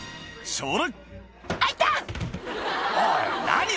「それ！」